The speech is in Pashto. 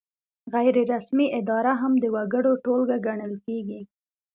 غیر رسمي اداره هم د وګړو ټولګه ګڼل کیږي.